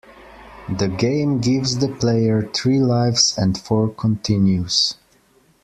The game gives the player three lives and four continues.